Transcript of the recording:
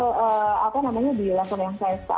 tidak terlalu ada lagi diskriminasi yang kepada saya